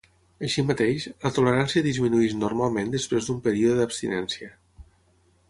Així mateix, la tolerància disminueix normalment després d'un període d'abstinència.